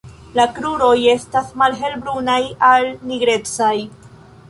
La kruroj estas malhelbrunaj al nigrecaj.